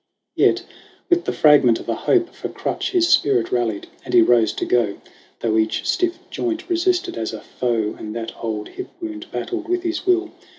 Yet, with the fragment of a hope for crutch, His spirit rallied, and he rose to go, Though each stiff joint resisted as a foe And that old hip wound battled with his will.